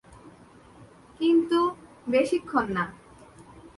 কিন্তু বেশিক্ষণ না।